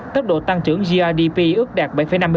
tốc độ tăng trưởng grdp ước đạt bảy năm mươi sáu